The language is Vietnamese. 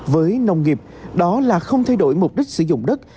với nông nghiệp đó là không thay đổi mục đích sử dụng đất